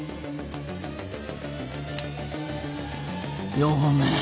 ４本目。